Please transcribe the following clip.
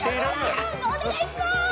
お願いします！